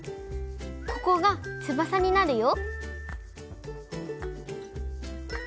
ここがつばさになるよ。